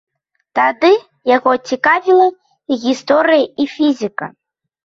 Тады яго цікавіла гісторыя і фізіка.